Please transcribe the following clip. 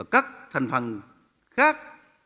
cắt thành phần khác